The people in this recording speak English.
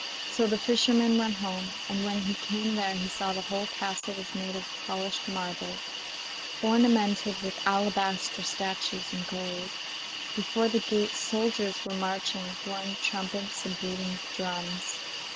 So the fisherman went home, and when he came there he saw the whole castle was made of polished marble, ornamented with alabaster statues and gold. Before the gate soldiers were marching, blowing trumpets and beating drums.